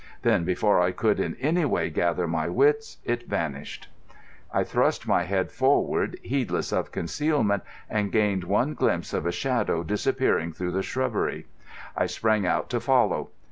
Then, before I could in any way gather my wits, it vanished. I thrust my head forward, heedless of concealment, and gained one glimpse of a shadow disappearing through the shrubbery. I sprang out to follow.